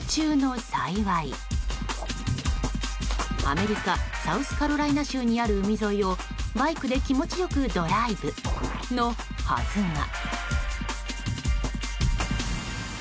アメリカサウスカロライナ州にある海沿いを、バイクで気持ちよくドライブのはずが。